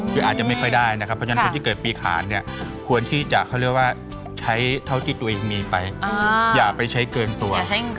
เพราะฉะนั้นคนที่เกิดปีขาญควรที่จะใช้เท่าที่ตัวเองมีไปอย่าไปใช้เกินตัว